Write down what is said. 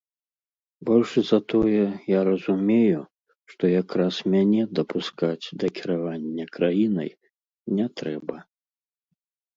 Больш за тое, я разумею, што якраз мяне дапускаць да кіравання краінай не трэба.